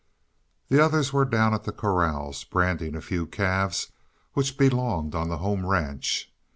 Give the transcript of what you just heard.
The others were down at the corrals, branding a few calves which belonged on the home ranch.